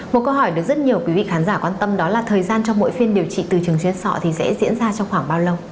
một câu hỏi được rất nhiều quý vị khán giả quan tâm đó là thời gian cho mỗi phiên điều trị từ trường xuyên sọ thì sẽ diễn ra trong khoảng bao lâu